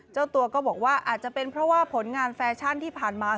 เจ้าตัวก็บอกว่าอาจจะเป็นเพราะว่าผลงานแฟชั่นที่ผ่านมา